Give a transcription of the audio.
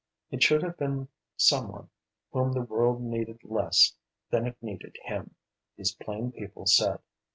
It should have been some one whom the world needed less than it needed him, these plain people said.